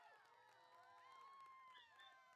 Cabrera es ingeniero en electricidad y electrónica.